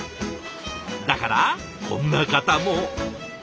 だからこんな方も。